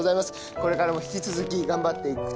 これからも引き続き頑張って行くと。